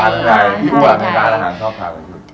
พี่อุ่นอาหารอาหารชอบทำอะไรที่สุด